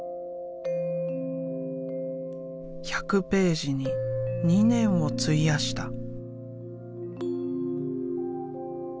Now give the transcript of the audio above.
１００ページに２年を費やした。